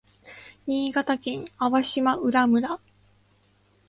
新潟県粟島浦村